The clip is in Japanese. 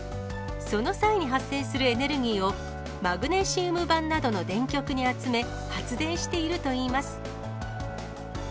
その際に発生するエネルギーを、マグネシウム板などの電極に集め、発電しているといいます。